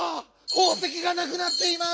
ほうせきがなくなっています！